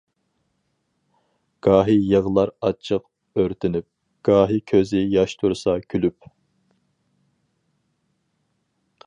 گاھى يىغلار ئاچچىق ئۆرتىنىپ، گاھى كۆزى ياش تۇرسا كۈلۈپ.